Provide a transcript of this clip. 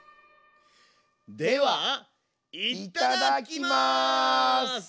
ではいただきます！